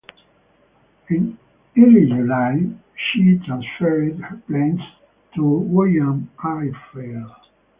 In early July, she transferred her planes to Guiuan airfield.